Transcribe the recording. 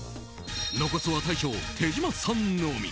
残すは大将・手島さんのみ。